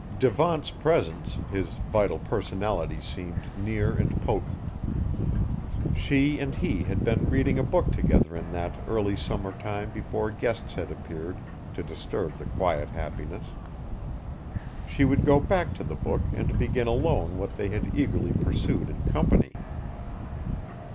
Devant's presence, his vital personality seemed near and potent. She and he had been reading a book together in that early summer time before guests had appeared to disturb the quiet happiness; she would go back to the book and begin alone what they had eagerly pursued in company.